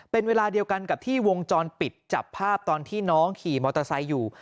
เป็นเวลาเดียวกันกับที่วงจรปิดจับภาพตอนที่น้องขี่มอเตอร์ไซค์อยู่